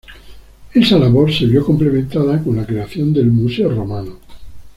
Esa labor se vio complementada con la creación del Museo Romano.